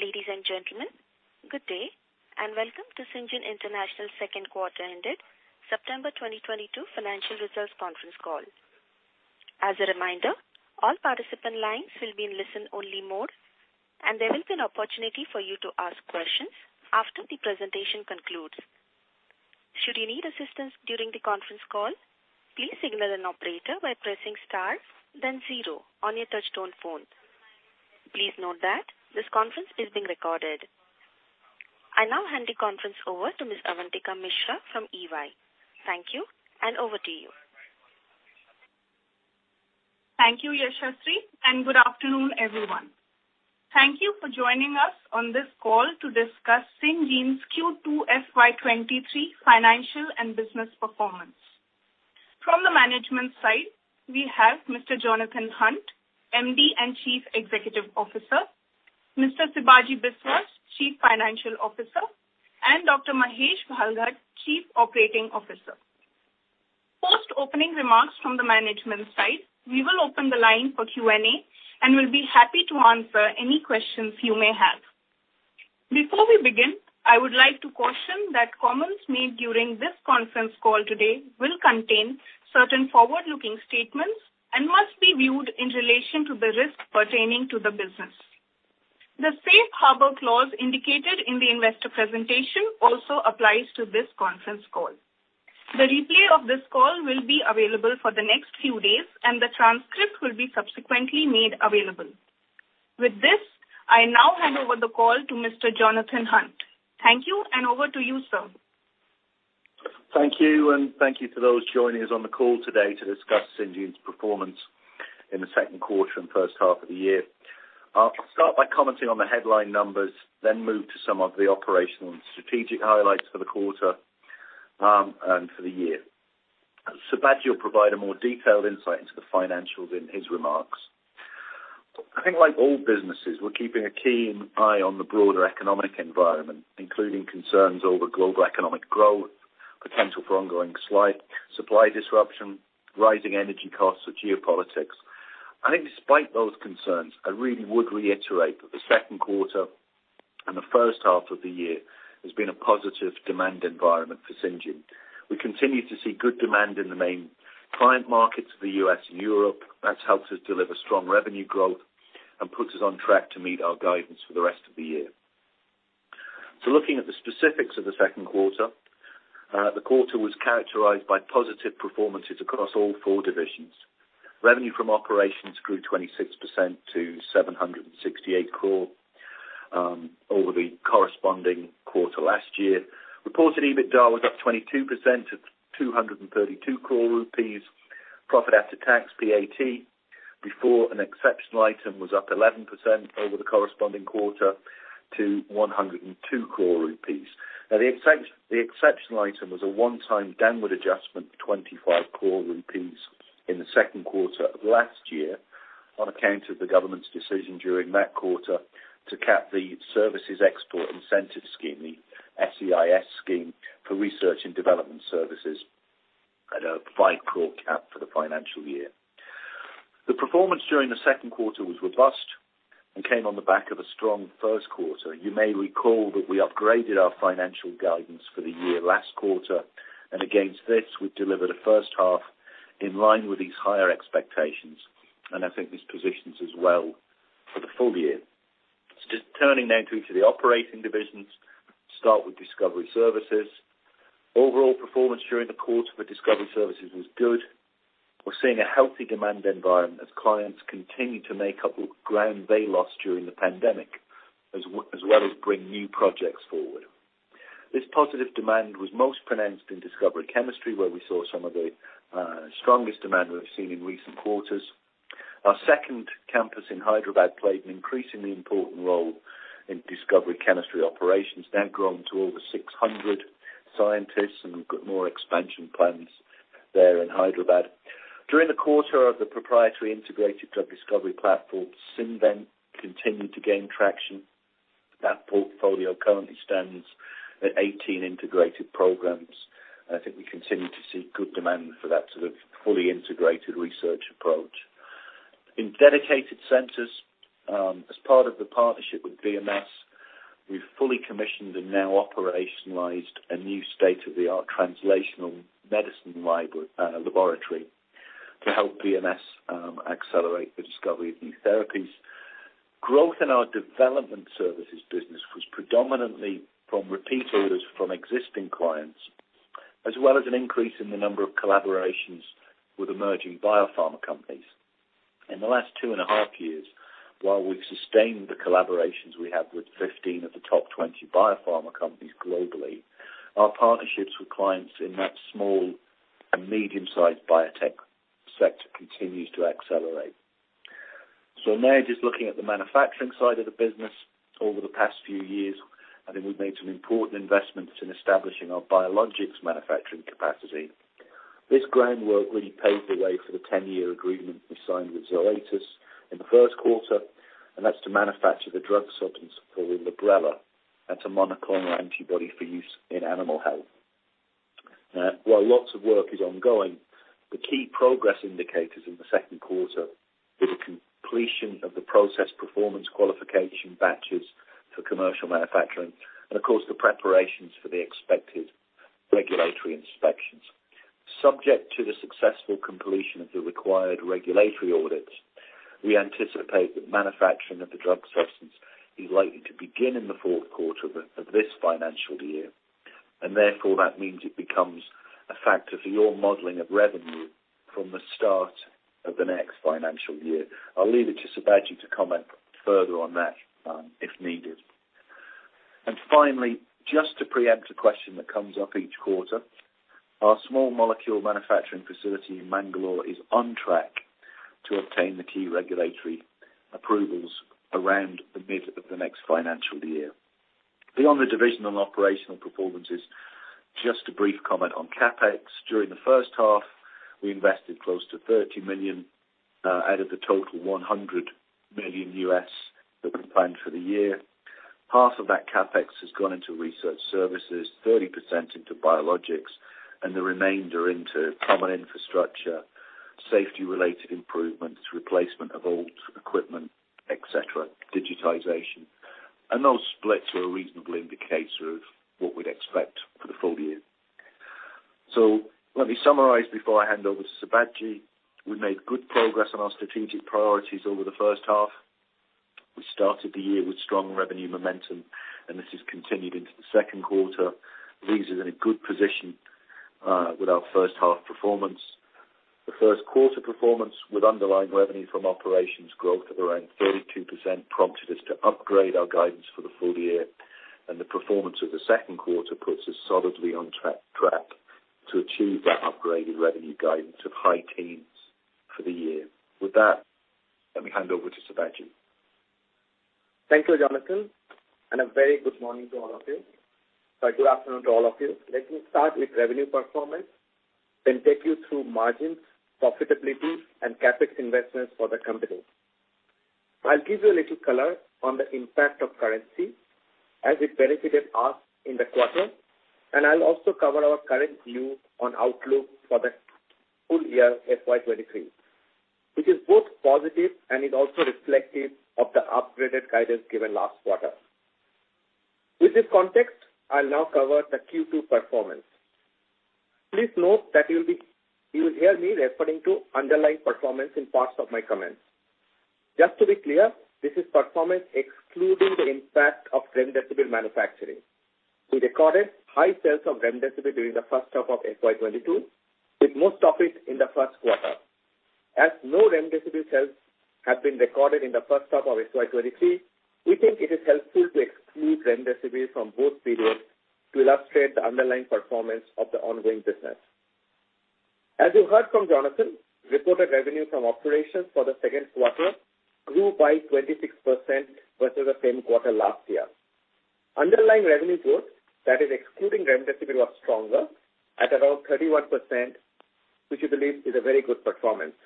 Ladies and gentlemen, good day, and welcome to Syngene International's second quarter ended September 2022 financial results conference call. As a reminder, all participant lines will be in listen-only mode, and there will be an opportunity for you to ask questions after the presentation concludes. Should you need assistance during the conference call, please signal an operator by pressing Star, then zero on your touchtone phone. Please note that this conference is being recorded. I now hand the conference over to Miss Avantika Mishra from EY. Thank you, and over to you. Thank you, Yashaswi, and good afternoon, everyone. Thank you for joining us on this call to discuss Syngene's Q2 FY23 financial and business performance. From the management side, we have Mr. Jonathan Hunt, M.D. and Chief Executive Officer, Mr. Sibaji Biswas, Chief Financial Officer, and Dr. Mahesh Bhalgat, Chief Operating Officer. Post opening remarks from the management side, we will open the line for Q&A and we'll be happy to answer any questions you may have. Before we begin, I would like to caution that comments made during this conference call today will contain certain forward-looking statements and must be viewed in relation to the risks pertaining to the business. The safe harbor clause indicated in the investor presentation also applies to this conference call. The replay of this call will be available for the next few days, and the transcript will be subsequently made available. With this, I now hand over the call to Mr. Jonathan Hunt. Thank you, and over to you, sir. Thank you, and thank you to those joining us on the call today to discuss Syngene's performance in the second quarter and first half of the year. I'll start by commenting on the headline numbers, then move to some of the operational and strategic highlights for the quarter, and for the year. Sibaji will provide a more detailed insight into the financials in his remarks. I think like all businesses, we're keeping a keen eye on the broader economic environment, including concerns over global economic growth, potential for ongoing slowdown, supply disruption, rising energy costs and geopolitics. I think despite those concerns, I really would reiterate that the second quarter and the first half of the year has been a positive demand environment for Syngene. We continue to see good demand in the main client markets of the U.S. and Europe. That's helped us deliver strong revenue growth and puts us on track to meet our guidance for the rest of the year. Looking at the specifics of the second quarter, the quarter was characterized by positive performances across all four divisions. Revenue from operations grew 26% to 768 crore over the corresponding quarter last year. Reported EBITDA was up 22% to 232 crore rupees. Profit after tax, PAT, before an exceptional item was up 11% over the corresponding quarter to 102 crore rupees. The exceptional item was a one-time downward adjustment of 25 crore rupees in the second quarter of last year on account of the government's decision during that quarter to cap the services export incentive scheme, the SEIS scheme, for research and development services at a 5 crore cap for the financial year. The performance during the second quarter was robust and came on the back of a strong first quarter. You may recall that we upgraded our financial guidance for the year last quarter, and against this, we've delivered a first half in line with these higher expectations, and I think this positions us well for the full year. Just turning now to each of the operating divisions. Start with Discovery Services. Overall performance during the quarter for Discovery Services was good. We're seeing a healthy demand environment as clients continue to make up ground they lost during the pandemic, as well as bring new projects forward. This positive demand was most pronounced in Discovery Chemistry, where we saw some of the strongest demand we've seen in recent quarters. Our second campus in Hyderabad played an increasingly important role in Discovery Chemistry operations, now grown to over 600 scientists, and we've got more expansion plans there in Hyderabad. During the quarter of the proprietary integrated drug discovery platform, SynVent continued to gain traction. That portfolio currently stands at 18 integrated programs, and I think we continue to see good demand for that sort of fully integrated research approach. In dedicated centers, as part of the partnership with BMS, we've fully commissioned and now operationalized a new state-of-the-art translational medicine laboratory to help BMS, accelerate the discovery of new therapies. Growth in our development services business was predominantly from repeat orders from existing clients, as well as an increase in the number of collaborations with emerging biopharma companies. In the last two and a half years, while we've sustained the collaborations we have with 15 of the top 20 biopharma companies globally, our partnerships with clients in that small and medium-sized biotech sector continues to accelerate. Now just looking at the manufacturing side of the business over the past few years, I think we've made some important investments in establishing our biologics manufacturing capacity. This groundwork really paved the way for the 10-year agreement we signed with Zoetis in the first quarter, and that's to manufacture the drug substance for Librela, that's a monoclonal antibody for use in animal health. While lots of work is ongoing, the key progress indicators in the second quarter were the completion of the process performance qualification batches for commercial manufacturing and of course, the preparations for the expected regulatory inspections. Subject to the successful completion of the required regulatory audits, we anticipate that manufacturing of the drug substance is likely to begin in the fourth quarter of this financial year, and therefore, that means it becomes a factor for your modeling of revenue from the start of the next financial year. I'll leave it to Sibaji to comment further on that, if needed. Finally, just to preempt a question that comes up each quarter, our small molecule manufacturing facility in Mangalore is on track to obtain the key regulatory approvals around the mid of the next financial year. Beyond the divisional and operational performances, just a brief comment on CapEx. During the first half, we invested close to $30 million out of the total $100 million that we planned for the year. Half of that CapEx has gone into research services, 30% into biologics, and the remainder into common infrastructure, safety-related improvements, replacement of old equipment, et cetera, digitization. Those splits are a reasonable indicator of what we'd expect for the full year. Let me summarize before I hand over to Sibaji. We made good progress on our strategic priorities over the first half. We started the year with strong revenue momentum, and this has continued into the second quarter. Leaves us in a good position with our first half performance. The first quarter performance with underlying revenue from operations growth of around 32% prompted us to upgrade our guidance for the full year, and the performance of the second quarter puts us solidly on track to achieve that upgraded revenue guidance of high teens for the year. With that, let me hand over to Sibaji. Thank you, Jonathan, and a very good morning to all of you, or good afternoon to all of you. Let me start with revenue performance, then take you through margins, profitability and CapEx investments for the company. I'll give you a little color on the impact of currency as it benefited us in the quarter, and I'll also cover our current view on outlook for the full year FY 2023, which is both positive and is also reflective of the upgraded guidance given last quarter. With this context, I'll now cover the Q2 performance. Please note that you'll hear me referring to underlying performance in parts of my comments. Just to be clear, this is performance excluding the impact of Remdesivir manufacturing. We recorded high sales of Remdesivir during the first half of FY 2022, with most of it in the first quarter. As no Remdesivir sales have been recorded in the first half of FY 2023, we think it is helpful to exclude Remdesivir from both periods to illustrate the underlying performance of the ongoing business. As you heard from Jonathan, reported revenue from operations for the second quarter grew by 26% versus the same quarter last year. Underlying revenue growth, that is excluding Remdesivir, was stronger at around 31%, which we believe is a very good performance.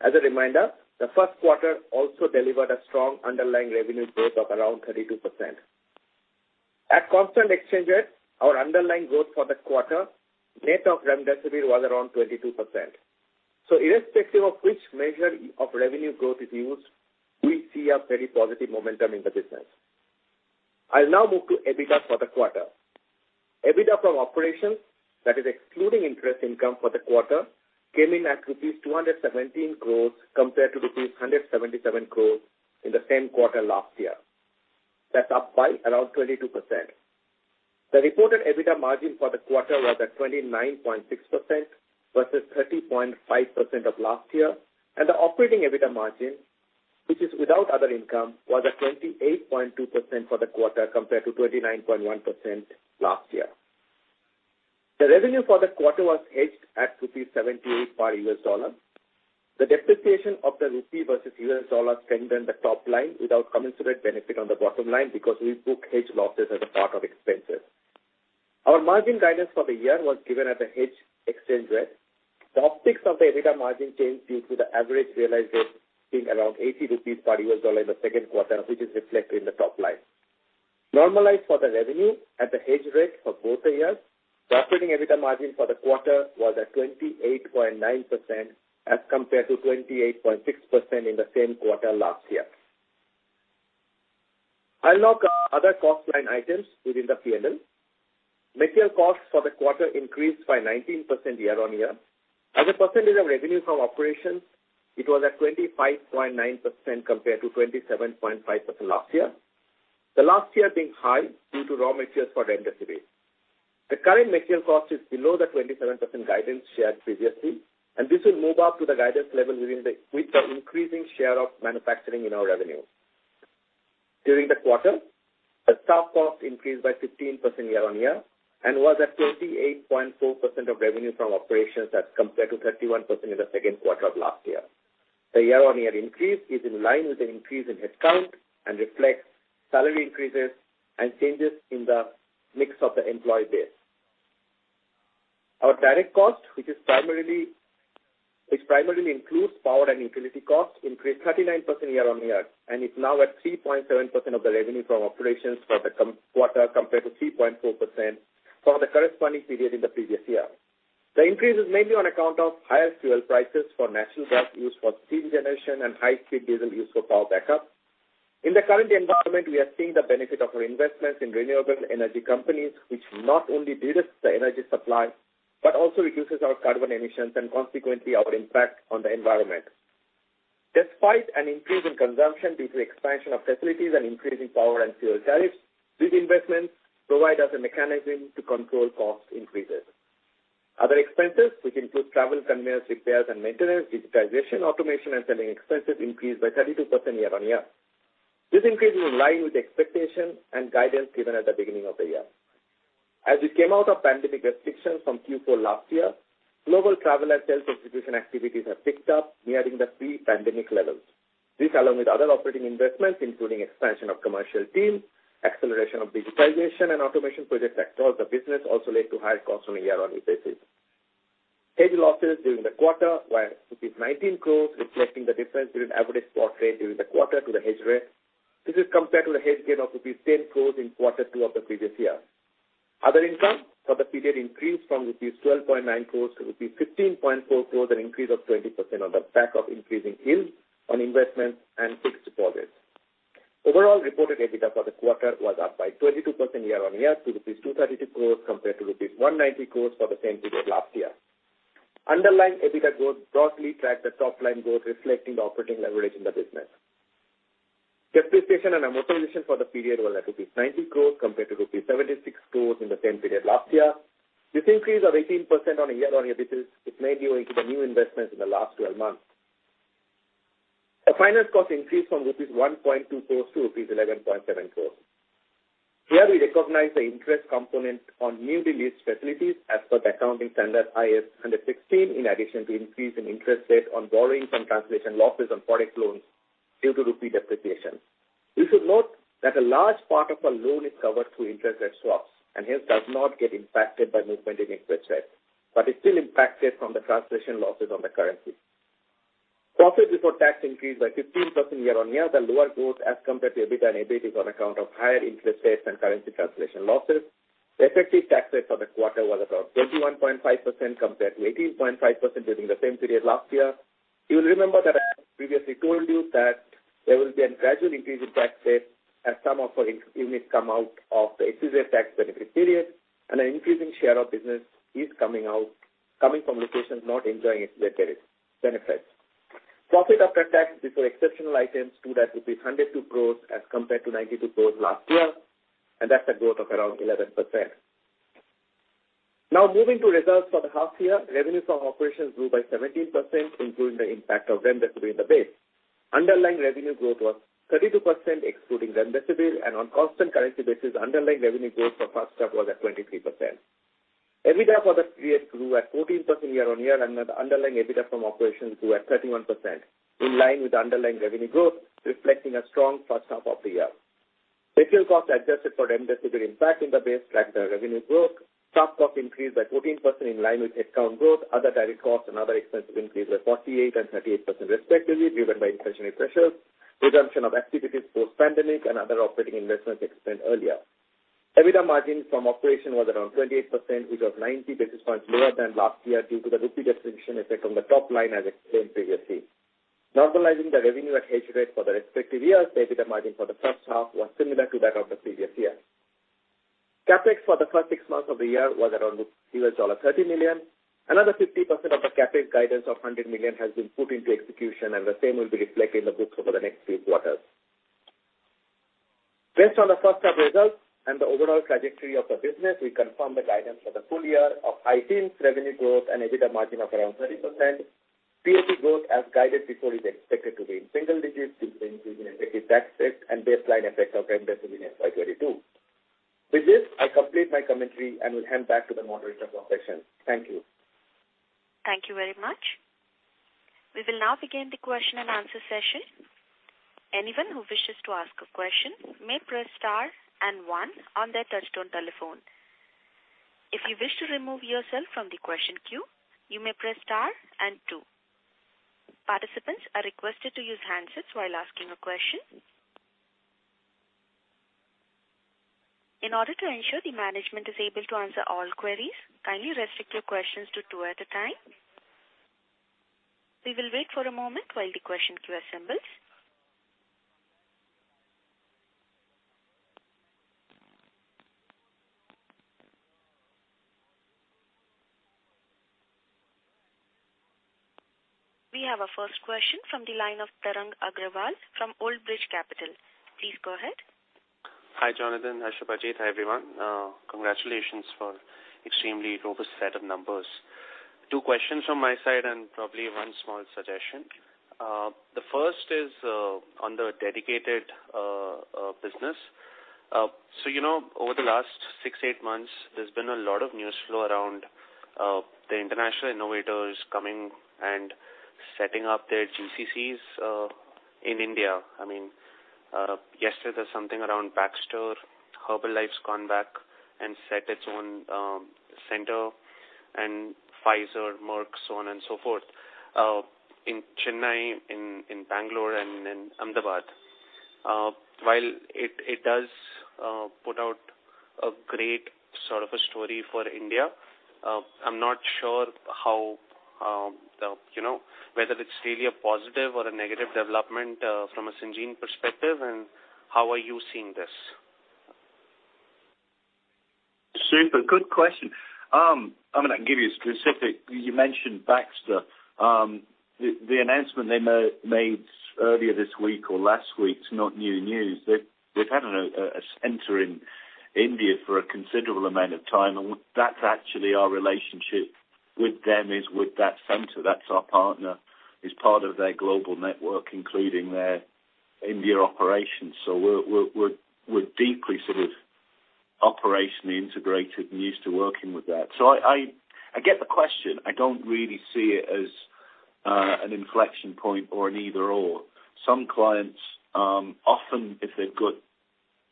As a reminder, the first quarter also delivered a strong underlying revenue growth of around 32%. At constant exchanges, our underlying growth for the quarter, net of Remdesivir, was around 22%. Irrespective of which measure of revenue growth is used, we see a very positive momentum in the business. I'll now move to EBITDA for the quarter. EBITDA from operations, that is excluding interest income for the quarter, came in at rupees 217 crores compared to rupees 177 crores in the same quarter last year. That's up by around 22%. The reported EBITDA margin for the quarter was at 29.6% versus 30.5% of last year, and the operating EBITDA margin, which is without other income, was at 28.2% for the quarter compared to 29.1% last year. The revenue for the quarter was hedged at rupees 78 per US dollar. The depreciation of the rupee versus U.S. Dollar strengthened the top line without commensurate benefit on the bottom line because we book hedge losses as a part of expenses. Our margin guidance for the year was given at the hedged exchange rate. The optics of the EBITDA margin changed due to the average realized rate being around 80 rupees per U.S. dollar in the second quarter, which is reflected in the top line. Normalized for the revenue at the hedged rate for both the years, the operating EBITDA margin for the quarter was at 28.9% as compared to 28.6% in the same quarter last year. I'll now cover other cost line items within the P&L. Material costs for the quarter increased by 19% year-on-year. As a percentage of revenue from operations, it was at 25.9% compared to 27.5% last year. The last year being high due to raw materials for Remdesivir. The current material cost is below the 27% guidance shared previously, and this will move up to the guidance level with the increasing share of manufacturing in our revenue. During the quarter, the staff cost increased by 15% year-on-year and was at 28.4% of revenue from operations as compared to 31% in the second quarter of last year. The year-on-year increase is in line with the increase in headcount and reflects salary increases and changes in the mix of the employee base. Our direct cost, which primarily includes power and utility costs, increased 39% year-on-year and is now at 3.7% of the revenue from operations for the quarter compared to 3.4% for the corresponding period in the previous year. The increase is mainly on account of higher fuel prices for natural gas used for steam generation and high speed diesel used for power backup. In the current environment, we are seeing the benefit of our investments in renewable energy companies, which not only de-risks the energy supply, but also reduces our carbon emissions and consequently our impact on the environment. Despite an increase in consumption due to expansion of facilities and increasing power and fuel tariffs, these investments provide us a mechanism to control cost increases. Other expenses, which include travel, conveyance, repairs and maintenance, digitization, automation and selling expenses increased by 32% year-on-year. This increase is in line with expectations and guidance given at the beginning of the year. As we came out of pandemic restrictions from Q4 last year, global travel and sales execution activities have picked up nearing the pre-pandemic levels. This, along with other operating investments, including expansion of commercial teams, acceleration of digitalization and automation projects across the business, also led to higher costs on a year-on-year basis. Hedge losses during the quarter were 19 crore, reflecting the difference between average spot rate during the quarter to the hedge rate. This is compared to the hedge gain of rupees 10 crore in quarter two of the previous year. Other income for the period increased from rupees 12.9 crore to rupees 15.4 crore, an increase of 20% on the back of increasing yields on investments and fixed deposits. Overall reported EBITDA for the quarter was up by 22% year-on-year to rupees 232 crore compared to rupees 190 crore for the same period last year. Underlying EBITDA growth broadly tracked the top line growth, reflecting the operating leverage in the business. Depreciation and amortization for the period were at rupees 90 crores compared to rupees 76 crores in the same period last year. This increase of 18% on a year-on-year basis is mainly owing to the new investments in the last 12 months. Our finance cost increased from rupees 1.2 crores to rupees 11.7 crores. Here we recognize the interest component on newly leased facilities as per the Accounting Standard Ind AS 16, in addition to increase in interest rate on borrowings and translation losses on foreign loans due to rupee depreciation. You should note that a large part of our loan is covered through interest rate swaps and hence does not get impacted by movement in interest rates, but is still impacted from the translation losses on the currency. Profit before tax increased by 15% year-on-year. The lower growth as compared to EBITDA and EBIT is on account of higher interest rates and currency translation losses. The effective tax rate for the quarter was about 21.5% compared to 18.5% during the same period last year. You'll remember that I previously told you that there will be a gradual increase in tax rate as some of our in-units come out of the excess tax benefit period and an increasing share of business is coming out, coming from locations not enjoying its rate benefits. Profit after tax before exceptional items stood at 102 crores as compared to 92 crores last year, and that's a growth of around 11%. Now moving to results for the half year. Revenue from operations grew by 17% including the impact of Remdesivir in the base. Underlying revenue growth was 32% excluding Remdesivir and on constant currency basis, underlying revenue growth for first half was at 23%. EBITDA for the period grew at 14% year-on-year and the underlying EBITDA from operations grew at 31%, in line with the underlying revenue growth, reflecting a strong first half of the year. Material costs adjusted for Remdesivir impact in the base tracked the revenue growth. Staff costs increased by 14% in line with headcount growth. Other direct costs and other expenses increased by 48% and 38% respectively, driven by inflationary pressures, resumption of activities post-pandemic and other operating investments explained earlier. EBITDA margin from operation was around 28%, which was 90 basis points lower than last year due to the rupee depreciation effect on the top line as explained previously. Normalizing the revenue at hedge rate for the respective years, EBITDA margin for the first half was similar to that of the previous year. CapEx for the first six months of the year was around $30 million. Another 50% of the CapEx guidance of $100 million has been put into execution and the same will be reflected in the books over the next few quarters. Based on the first half results and the overall trajectory of the business, we confirm the guidance for the full year of high teens% revenue growth and EBITDA margin of around 30%. PAT growth as guided before is expected to be in single digits due to the increase in effective tax rate and baseline effect of Remdesivir in FY 2022. With this, I complete my commentary and will hand back to the moderator for questions. Thank you. Thank you very much. We will now begin the question and answer session. Anyone who wishes to ask a question may press star and one on their touchtone telephone. If you wish to remove yourself from the question queue, you may press star and two. Participants are requested to use handsets while asking a question. In order to ensure the management is able to answer all queries, kindly restrict your questions to two at a time. We will wait for a moment while the question queue assembles. We have our first question from the line of Tarang Agrawal from Old Bridge Capital. Please go ahead. Hi, Jonathan. Ashwa, Chetan, everyone. Congratulations for extremely robust set of numbers. Two questions from my side and probably one small suggestion. The first is on the dedicated business. You know, over the last six to eight months, there's been a lot of news flow around the international innovators coming and Setting up their GCCs in India. I mean, yesterday something around Baxter, Herbalife's gone back and set its own center, and Pfizer, Merck, so on and so forth, in Chennai, in Bangalore and in Ahmedabad. While it does put out a great sort of a story for India, I'm not sure how you know whether it's really a positive or a negative development from a Syngene perspective, and how are you seeing this? Super. Good question. I'm gonna give you a specific. You mentioned Baxter. The announcement they made earlier this week or last week, it's not new news. They've had a center in India for a considerable amount of time, and that's actually our relationship with them, is with that center. That's our partner. It's part of their global network, including their India operations. We're deeply sort of operationally integrated and used to working with that. I get the question. I don't really see it as an inflection point or an either/or. Some clients often, if they've got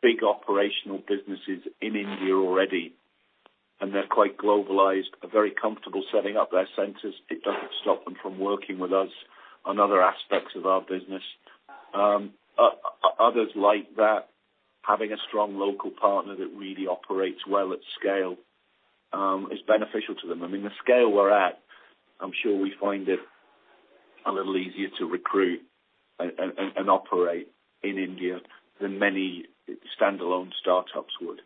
big operational businesses in India already and they're quite globalized, are very comfortable setting up their centers. It doesn't stop them from working with us on other aspects of our business. Others like that, having a strong local partner that really operates well at scale, is beneficial to them. I mean, the scale we're at, I'm sure we find it a little easier to recruit and operate in India than many standalone startups would.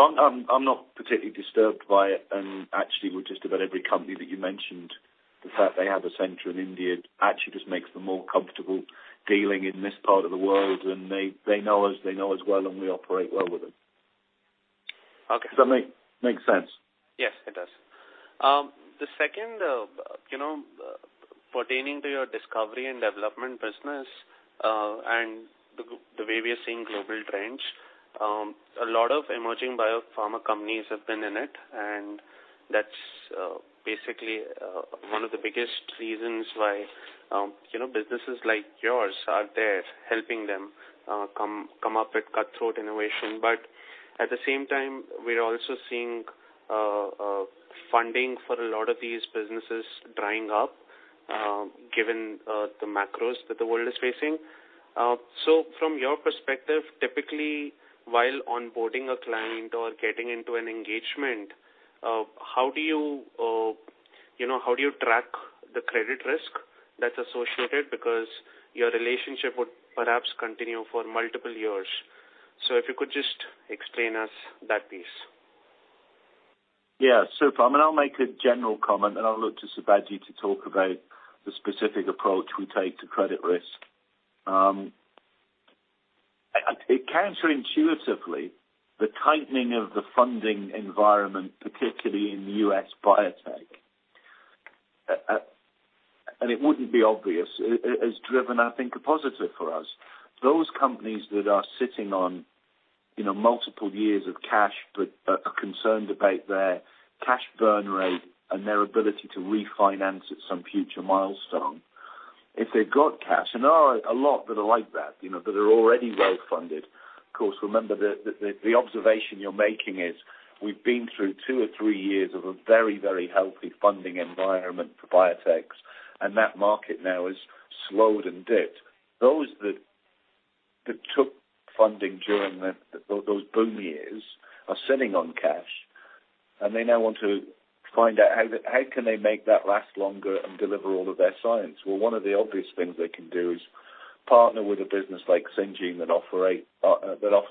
I'm not particularly disturbed by it. Actually with just about every company that you mentioned, the fact they have a center in India actually just makes them more comfortable dealing in this part of the world, and they know us well, and we operate well with them. Okay. Does that make sense? Yes, it does. The second, you know, pertaining to your discovery and development business, and the way we are seeing global trends, a lot of emerging Biopharma companies have been in it. That's basically one of the biggest reasons why, you know, businesses like yours are there helping them come up with cutthroat innovation. At the same time, we are also seeing funding for a lot of these businesses drying up, given the macros that the world is facing. From your perspective, typically, while onboarding a client or getting into an engagement, how do you know, how do you track the credit risk that's associated? Because your relationship would perhaps continue for multiple years. If you could just explain us that piece. I mean, I'll make a general comment, and I'll look to Sibaji to talk about the specific approach we take to credit risk. I think counterintuitively, the tightening of the funding environment, particularly in U.S. Biotech, and it wouldn't be obvious, is driven, I think, a positive for us. Those companies that are sitting on, you know, multiple years of cash, but are concerned about their cash burn rate and their ability to refinance at some future milestone, if they've got cash, and there are a lot that are like that, you know, that are already well funded. Of course, remember the observation you're making is we've been through two or three years of a very, very healthy funding environment for biotechs, and that market now has slowed and dipped. Those that took funding during those boom years are sitting on cash, and they now want to find out how can they make that last longer and deliver all of their science? Well, one of the obvious things they can do is partner with a business like Syngene that offers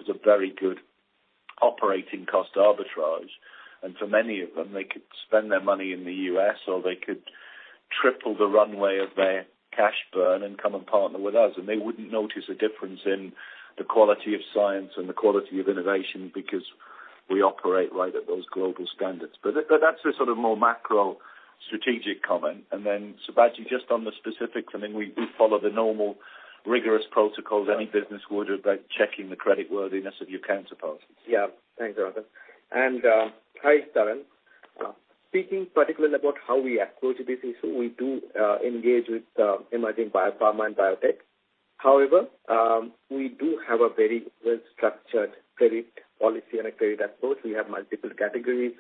a very good operating cost arbitrage. For many of them, they could spend their money in the U.S., or they could triple the runway of their cash burn and come and partner with us, and they wouldn't notice a difference in the quality of science and the quality of innovation because we operate right at those global standards. That's the sort of more macro strategic comment. Sibaji, just on the specifics, I mean, we follow the normal rigorous protocols any business would about checking the creditworthiness of your counterparts. Yeah. Thanks, Jonathan. Hi, Tarang. Speaking particularly about how we approach this issue, we do engage with emerging Biopharma and Biotech. However, we do have a very well-structured credit policy and a credit approach. We have multiple categories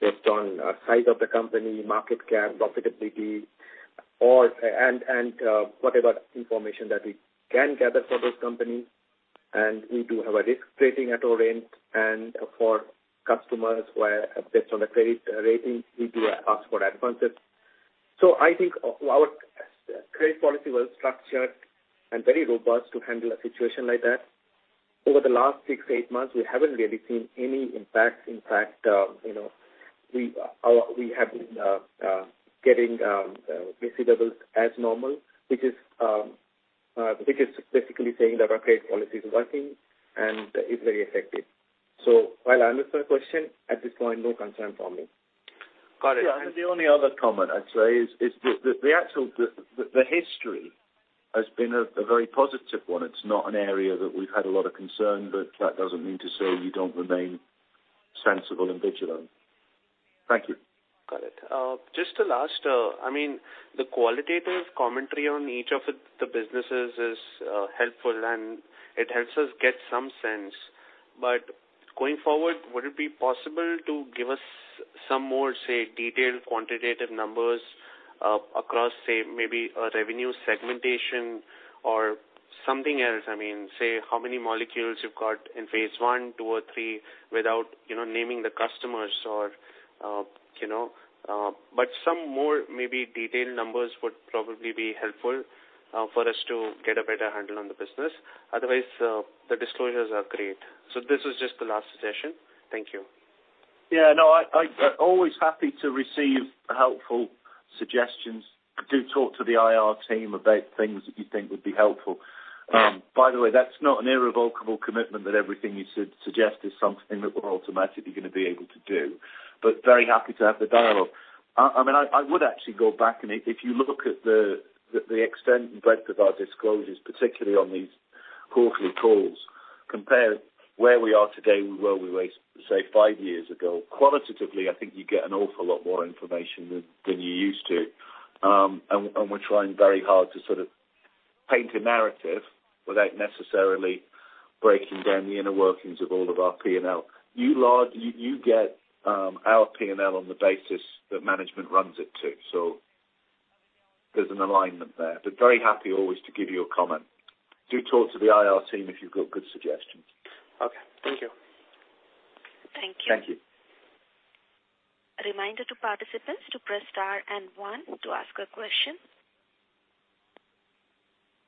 based on size of the company, market cap, profitability, or and whatever information that we can gather for those companies. We do have a risk rating at our end. For customers where based on the credit rating, we do ask for advances. I think our credit policy was structured and very robust to handle a situation like that. Over the last six, eight months, we haven't really seen any impact. In fact, you know, getting receivables as normal, which is basically saying that our credit policy is working and is very effective. While I understand the question, at this point, no concern for me. Got it. The only other comment I'd say is the actual history has been a very positive one. It's not an area that we've had a lot of concern, but that doesn't mean to say you don't remain sensible and vigilant. Thank you. Got it. Just the last, I mean, the qualitative commentary on each of the businesses is helpful, and it helps us get some sense. Going forward, would it be possible to give us some more, say, detailed quantitative numbers across, say, maybe a revenue segmentation or something else? I mean, say, how many molecules you've got in phase I, II, or III without, you know, naming the customers or, you know. But some more maybe detailed numbers would probably be helpful for us to get a better handle on the business. Otherwise, the disclosures are great. This is just the last suggestion. Thank you. Yeah, no, I always happy to receive helpful suggestions. Do talk to the IR team about things that you think would be helpful. By the way, that's not an irrevocable commitment that everything you suggest is something that we're automatically gonna be able to do, but very happy to have the dialogue. I mean, I would actually go back, and if you look at the extent and breadth of our disclosures, particularly on these quarterly calls, compare where we are today with where we were, say, five years ago. Qualitatively, I think you get an awful lot more information than you used to. We're trying very hard to sort of paint a narrative without necessarily breaking down the inner workings of all of our P&L. You get our P&L on the basis that management runs it too. There's an alignment there. Very happy always to give you a comment. Do talk to the IR team if you've got good suggestions. Okay. Thank you. Thank you. A reminder to participants to press star and one to ask a question.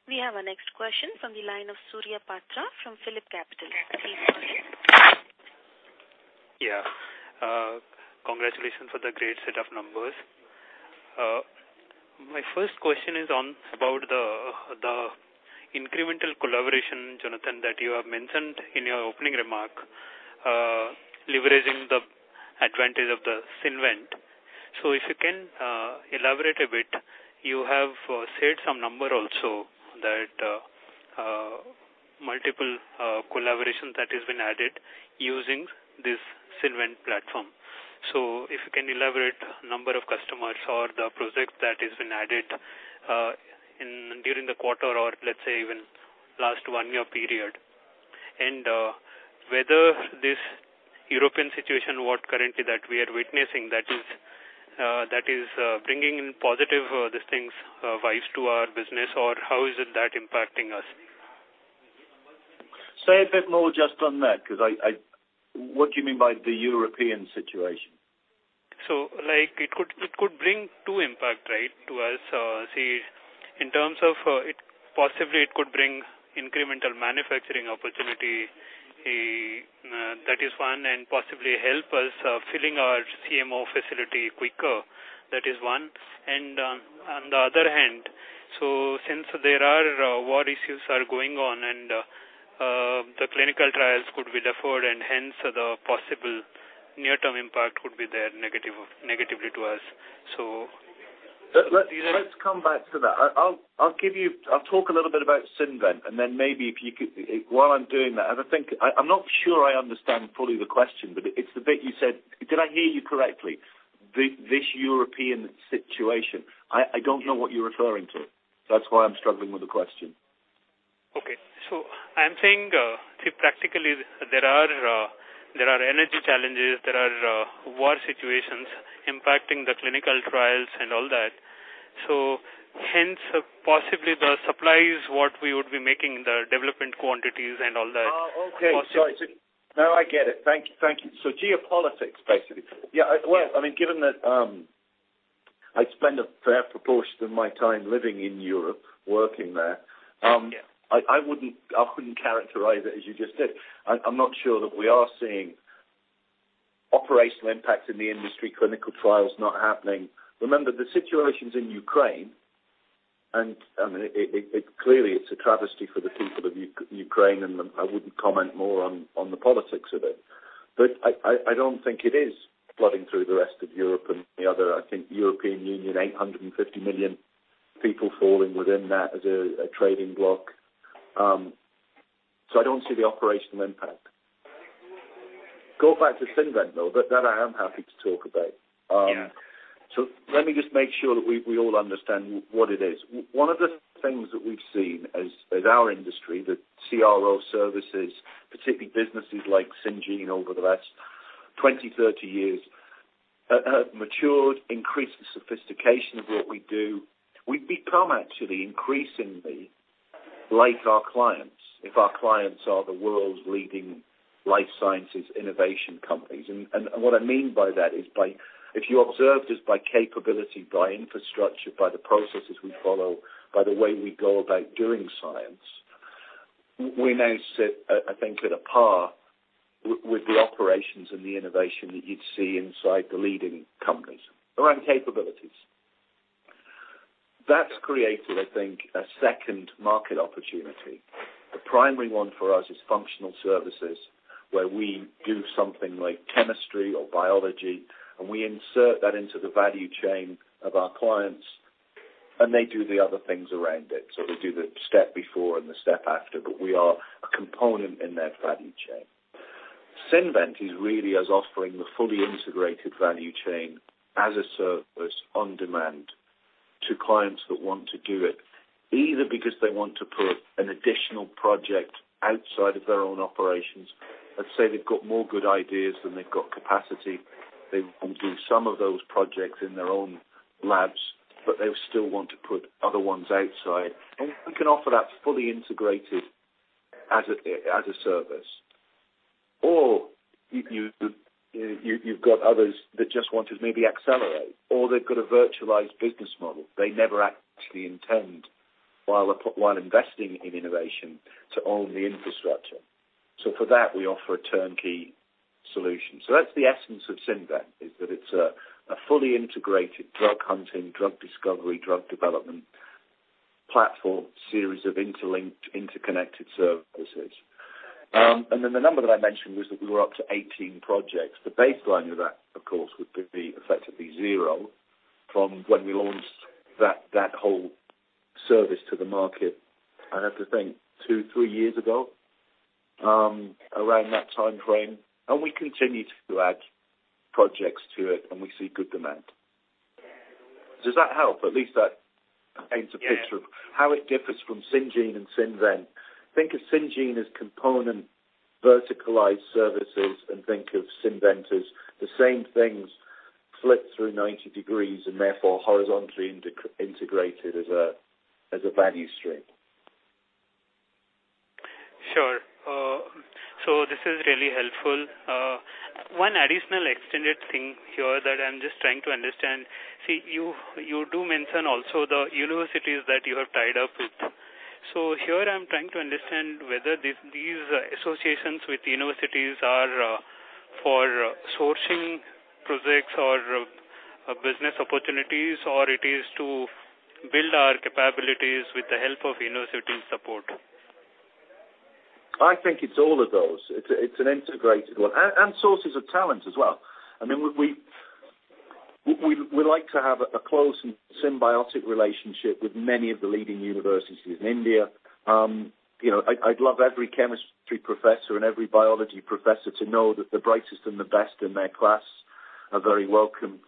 We have our next question from the line of Surya Patra from PhillipCapital. Please go ahead. Yeah. Congratulations for the great set of numbers. My first question is about the incremental collaboration, Jonathan, that you have mentioned in your opening remark, leveraging the advantage of the SynVent. So if you can elaborate a bit, you have said some number also that multiple collaborations that has been added using this SynVent platform. So if you can elaborate number of customers or the project that has been added during the quarter or let's say even last one-year period. Whether this European situation what currently that we are witnessing that is bringing in positive vibes to our business, or how is it that impacting us? Say a bit more just on that because what do you mean by the European situation? Like, it could bring two impacts, right, to us. Say, in terms of, it possibly could bring incremental manufacturing opportunity. That is one, and possibly help us filling our CMO facility quicker. That is one. On the other hand, since there are war issues going on, the clinical trials could be deferred and hence the possible near-term impact could be a negative to us. Let's come back to that. I'll give you. I'll talk a little bit about SynVent, and then maybe if you could, while I'm doing that, and I think, I'm not sure I understand fully the question, but it's the bit you said. Did I hear you correctly, this European situation? I don't know what you're referring to. That's why I'm struggling with the question. Okay. I'm saying practically there are energy challenges, there are war situations impacting the clinical trials and all that. Hence, possibly the supplies, what we would be making, the development quantities and all that. Oh, okay. Sorry. No, I get it. Thank you. Thank you. Geopolitics, basically. Yeah. Well, I mean, given that, I spend a fair proportion of my time living in Europe, working there. Yeah. I wouldn't, I couldn't characterize it as you just did. I'm not sure that we are seeing operational impact in the industry, clinical trials not happening. Remember, the situations in Ukraine and, I mean, it clearly it's a travesty for the people of Ukraine, and I wouldn't comment more on the politics of it. I don't think it is flooding through the rest of Europe and the other, I think, European Union, 850 million people falling within that as a trading bloc. I don't see the operational impact. Go back to SynVent, though. That I am happy to talk about. Yeah. Let me just make sure that we all understand what it is. One of the things that we've seen as our industry, the CRO services, particularly businesses like Syngene over the last 20-30 years, have matured, increased the sophistication of what we do. We've become actually increasingly like our clients if our clients are the world's leading life sciences innovation companies. What I mean by that is if you observed us by capability, by infrastructure, by the processes we follow, by the way we go about doing science, we now sit, I think, at a par with the operations and the innovation that you'd see inside the leading companies around capabilities. That's created, I think, a second market opportunity. The primary one for us is functional services, where we do something like chemistry or biology, and we insert that into the value chain of our clients. They do the other things around it. They do the step before and the step after, but we are a component in their value chain. SynVent is really us offering the fully integrated value chain as a service on demand to clients that want to do it, either because they want to put an additional project outside of their own operations. Let's say they've got more good ideas than they've got capacity. They will do some of those projects in their own labs, but they still want to put other ones outside. We can offer that fully integrated as a service. You've got others that just want to maybe accelerate, or they've got a virtualized business model. They never actually intend, while investing in innovation, to own the infrastructure. For that, we offer a turnkey solution. That's the essence of SynVent, is that it's a fully integrated drug hunting, drug discovery, drug development platform, series of interlinked, interconnected services. And then the number that I mentioned was that we were up to 18 projects. The baseline of that, of course, would be effectively zero from when we launched that whole service to the market. I have to think two, three years ago, around that timeframe. We continue to add projects to it and we see good demand. Does that help? At least that paints a picture. Yeah. of how it differs from Syngene and SynVent. Think of Syngene as component verticalized services, and think of SynVent as the same things flipped through 90 degrees and therefore horizontally integrated as a value stream. This is really helpful. One additional extended thing here that I'm just trying to understand. See, you do mention also the universities that you have tied up with. Here I'm trying to understand whether these associations with universities are for sourcing projects or business opportunities, or it is to build our capabilities with the help of university support. I think it's all of those. It's an integrated one. Sources of talent as well. I mean, we like to have a close and symbiotic relationship with many of the leading universities in India. You know, I'd love every chemistry professor and every biology professor to know that the brightest and the best in their class are very welcome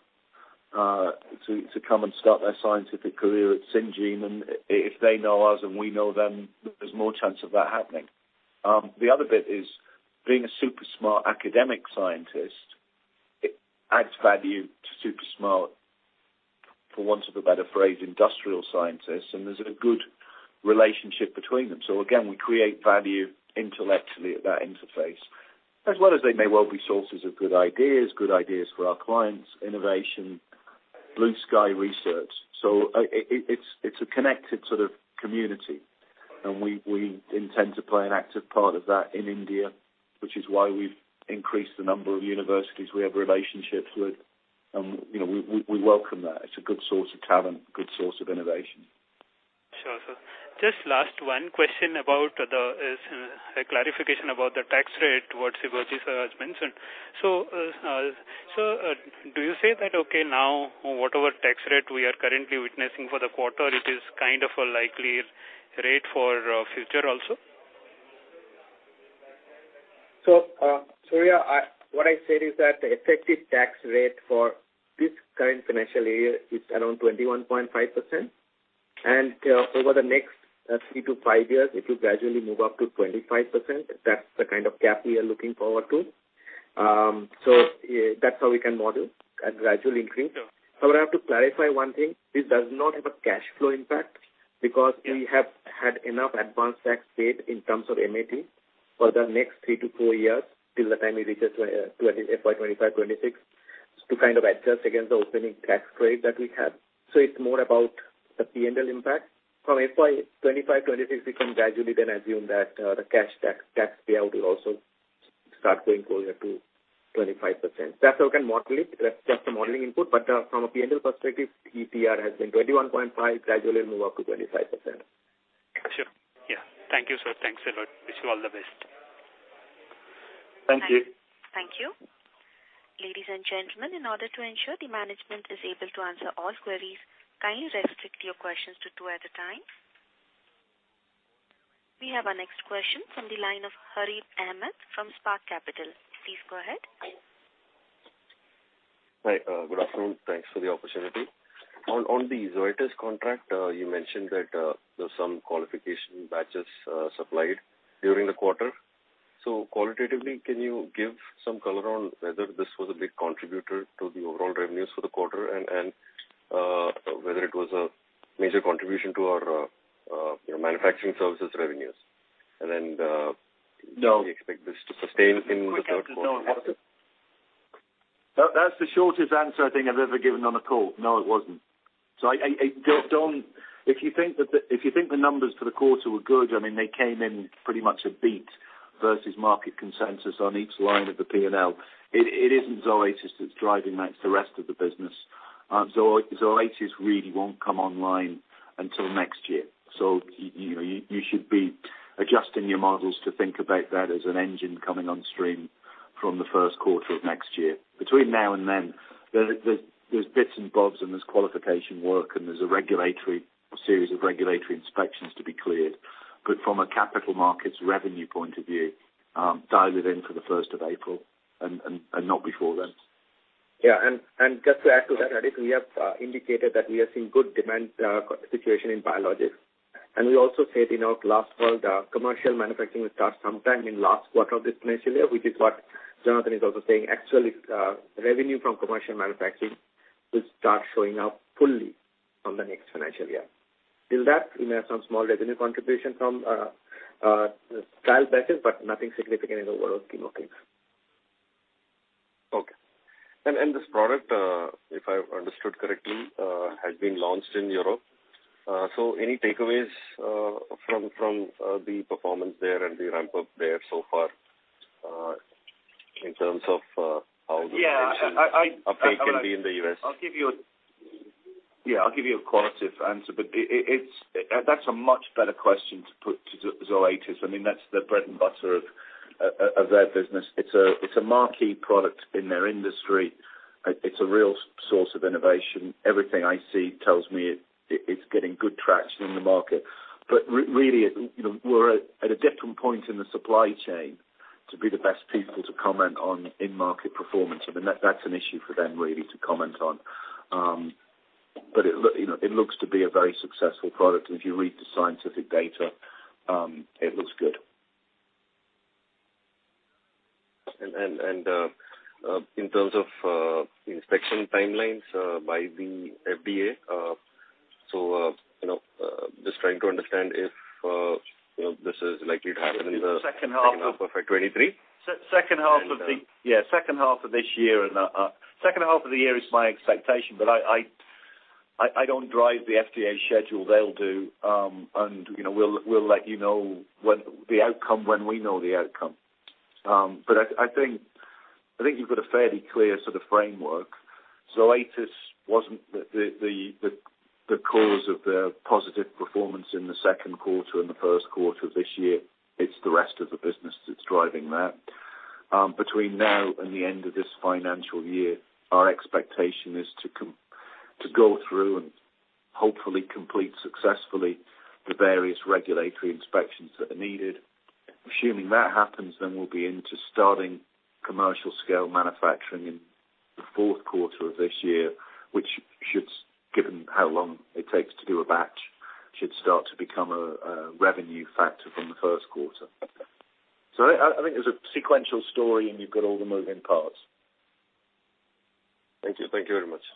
to come and start their scientific career at Syngene. If they know us and we know them, there's more chance of that happening. The other bit is being a super smart academic scientist. It adds value to super smart, for want of a better phrase, industrial scientists, and there's a good relationship between them. Again, we create value intellectually at that interface, as well as they may well be sources of good ideas, good ideas for our clients, innovation, blue sky research. It's a connected sort of community, and we intend to play an active part of that in India, which is why we've increased the number of universities we have relationships with. You know, we welcome that. It's a good source of talent, good source of innovation. Sure, sir. Just last one question about a clarification about the tax rate, what Sibaji sir has mentioned. Sir, do you say that, okay, now whatever tax rate we are currently witnessing for the quarter, it is kind of a likely rate for future also? Surya, what I said is that the effective tax rate for this current financial year is around 21.5%. Over the next three to five years, it will gradually move up to 25%. That's the kind of gap we are looking forward to. That's how we can model a gradual increase. Sure. I have to clarify one thing. This does not have a cash flow impact because- Yeah. We have had enough advanced tax paid in terms of MAT for the next three to four years till the time it reaches FY 2025, 2026, to kind of adjust against the opening tax rate that we have. It's more about the P&L impact. From FY 2025, 2026, we can gradually then assume that the cash tax payout will also start going closer to 25%. That's how we can model it. That's just a modeling input. From a P&L perspective, ETR has been 21.5%, gradually it'll move up to 25%. Sure. Yeah. Thank you, sir. Thanks a lot. Wish you all the best. Thank you. Thank you. Thank you. Ladies and gentlemen, in order to ensure the management is able to answer all queries, kindly restrict your questions to two at a time. We have our next question from the line of Harith Ahamed from Spark Capital. Please go ahead. Hi, good afternoon. Thanks for the opportunity. On the Zoetis contract, you mentioned that there's some qualification batches supplied during the quarter. Qualitatively, can you give some color on whether this was a big contributor to the overall revenues for the quarter and whether it was a major contribution to our, you know, manufacturing services revenues? No. Do you expect this to sustain in the? That's the shortest answer I think I've ever given on a call. No, it wasn't. I don’t, if you think the numbers for the quarter were good, I mean, they came in pretty much a beat versus market consensus on each line of the P&L. It isn't Zoetis that's driving that, it's the rest of the business. Zoetis really won't come online until next year. You know, you should be adjusting your models to think about that as an engine coming on stream from the first quarter of next year. Between now and then, there's bits and bobs, and there's qualification work, and there's a series of regulatory inspections to be cleared. From a capital markets revenue point of view, dial it in for the first of April and not before then. Just to add to that, Harith Ahamed, we have indicated that we are seeing good demand situation in Biologics. We also said in our last call, the commercial manufacturing will start sometime in last quarter of this financial year, which is what Jonathan is also saying. Actually, revenue from commercial manufacturing will start showing up fully on the next financial year. Till that, we may have some small revenue contribution from trial batches, but nothing significant in the overall scheme of things. Okay. This product, if I understood correctly, has been launched in Europe. Any takeaways from the performance there and the ramp-up there so far, in terms of how the- Yeah. I Update will be in the U.S. Yeah, I'll give you a qualitative answer. That's a much better question to put to Zoetis. I mean, that's the bread and butter of their business. It's a marquee product in their industry. It's a real source of innovation. Everything I see tells me it's getting good traction in the market. Really, you know, we're at a different point in the supply chain to be the best people to comment on in-market performance. I mean, that's an issue for them really to comment on. It looks to be a very successful product. If you read the scientific data, it looks good. In terms of inspection timelines by the FDA, so you know, just trying to understand if you know this is likely to happen in the- Second half of- Second half of 2023. Second half of the. And, uh- Yeah, second half of this year and second half of the year is my expectation. I don't drive the FDA schedule. They'll do. You know, we'll let you know when we know the outcome. I think you've got a fairly clear sort of framework. Zoetis wasn't the cause of the positive performance in the second quarter and the first quarter of this year. It's the rest of the business that's driving that. Between now and the end of this financial year, our expectation is to go through and hopefully complete successfully the various regulatory inspections that are needed. Assuming that happens, we'll be into starting commercial scale manufacturing in the fourth quarter of this year, which should, given how long it takes to do a batch, should start to become a revenue factor from the first quarter. I think there's a sequential story and you've got all the moving parts. Thank you. Thank you very much.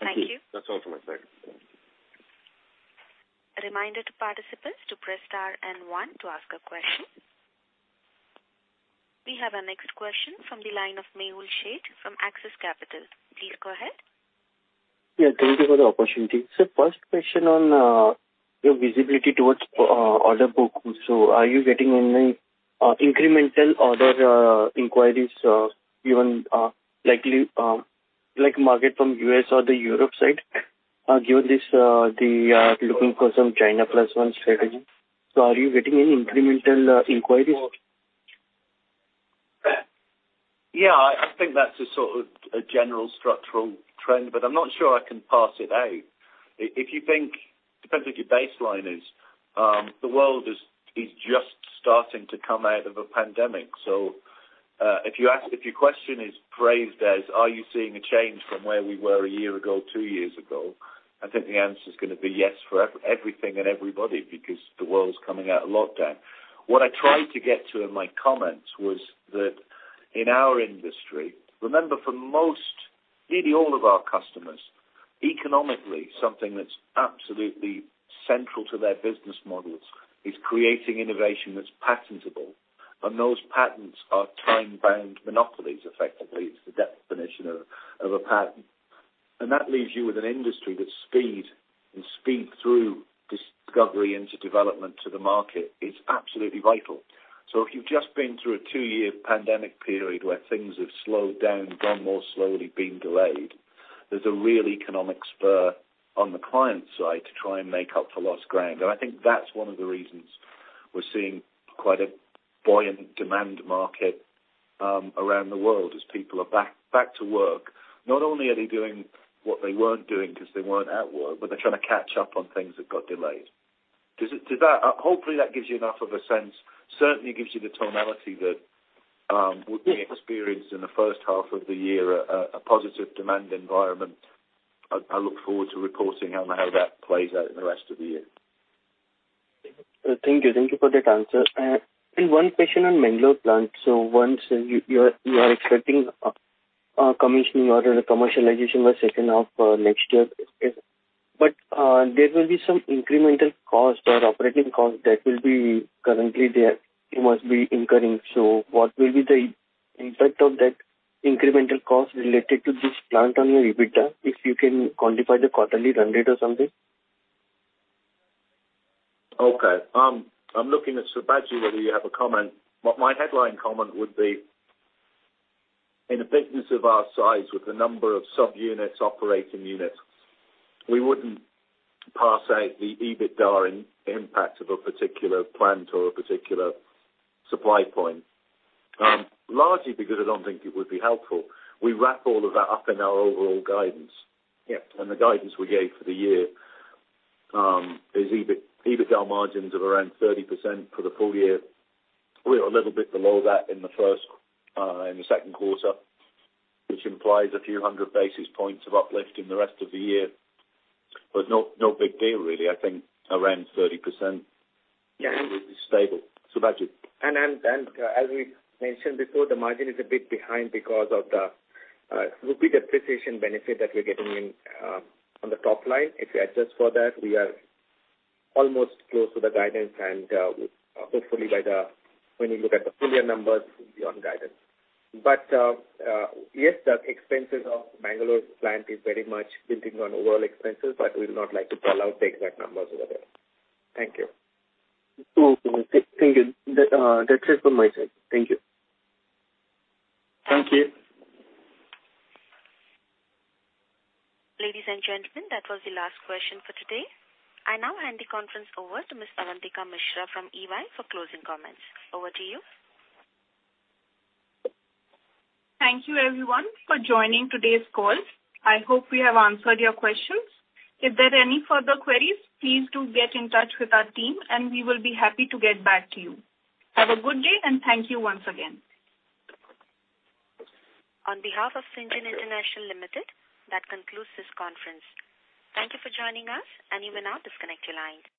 Thank you. That's all from my side. Reminder to participants to press star and one to ask a question. We have our next question from the line of Mehul Sheth from Axis Capital. Please go ahead. Yeah, thank you for the opportunity. First question on your visibility toward order book. Are you getting any incremental order inquiries even from likely markets like the U.S. or European side, given this, they're looking for some China Plus One strategy? Yeah, I think that's a sort of a general structural trend, but I'm not sure I can parse it out. If you think, depends what your baseline is, the world is just starting to come out of a pandemic. If your question is phrased as are you seeing a change from where we were a year ago, two years ago, I think the answer is gonna be yes for everything and everybody, because the world's coming out of lockdown. What I tried to get to in my comments was that in our industry, remember for most, nearly all of our customers, economically, something that's absolutely central to their business models is creating innovation that's patentable. Those patents are time-bound monopolies, effectively. It's the definition of a patent. That leaves you with an industry that speeds through discovery into development to the market. It's absolutely vital. If you've just been through a two-year pandemic period where things have slowed down, gone more slowly, been delayed, there's a real economic spur on the client side to try and make up for lost ground. I think that's one of the reasons we're seeing quite a buoyant demand market around the world as people are back to work. Not only are they doing what they weren't doing 'cause they weren't at work, but they're trying to catch up on things that got delayed. Hopefully, that gives you enough of a sense. Certainly gives you the tonality that we experienced in the first half of the year, a positive demand environment. I look forward to reporting on how that plays out in the rest of the year. Thank you for that answer. One question on Mangalore plant. Once you are expecting commissioning or the commercialization by second half of next year, there will be some incremental cost or operating cost that will be currently there. You must be incurring. What will be the impact of that incremental cost related to this plant on your EBITDA, if you can quantify the quarterly run rate or something? Okay. I'm looking at Sibaji, whether you have a comment. My headline comment would be, in a business of our size, with the number of subunits, operating units, we wouldn't parse out the EBITDA impact of a particular plant or a particular supply point, largely because I don't think it would be helpful. We wrap all of that up in our overall guidance. Yeah. The guidance we gave for the year is EBITDA margins of around 30% for the full year. We're a little bit below that in the second quarter, which implies a few hundred basis points of uplift in the rest of the year, but no big deal really. I think around 30% is stable. Sibaji. As we mentioned before, the margin is a bit behind because of the rupee depreciation benefit that we're getting in on the top line. If we adjust for that, we are almost close to the guidance and hopefully by the when you look at the full year numbers, we'll be on guidance. Yes, the expenses of Mangalore plant is very much building on overall expenses, but we'll not like to call out the exact numbers over there. Thank you. Okay. Thank you. That, that's it from my side. Thank you. Thank you. Ladies and gentlemen, that was the last question for today. I now hand the conference over to Miss Avantika Mishra from EY for closing comments. Over to you. Thank you, everyone, for joining today's call. I hope we have answered your questions. If there are any further queries, please do get in touch with our team, and we will be happy to get back to you. Have a good day, and thank you once again. On behalf of Syngene International Limited, that concludes this conference. Thank you for joining us, and you may now disconnect your lines.